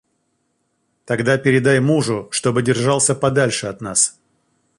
Тогда передай мужу, чтобы держался подальше от нас!